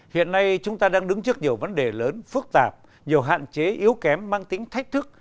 hiện nay chúng ta đang đứng trước nhiều vấn đề lớn phức tạp nhiều hạn chế yếu kém mang tính thách thức